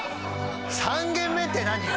３軒目って何？